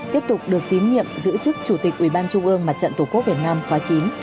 tiếp tục được tín nhiệm giữ chức chủ tịch ủy ban trung ương mặt trận tổ quốc việt nam khóa chín